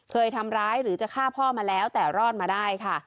เคยทำร้ายหรือจะฆ่าพ่อมาแล้วแต่รอดมาได้ค่ะ